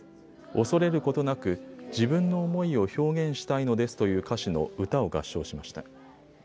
恐れることなく自分の思いを表現したいのですという歌詞の歌を合唱しました。